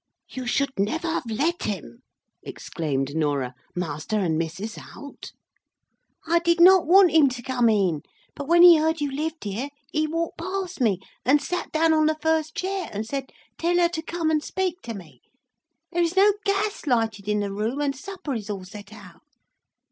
"You should never have let him," exclaimed Norah, "master and missus out—" "I did not want him to come in; but when he heard you lived here, he walked past me, and sat down on the first chair, and said, 'Tell her to come and speak to me.' There is no gas lighted in the room, and supper is all set out."